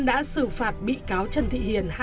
đã xử phạt bị cáo trần thị hiền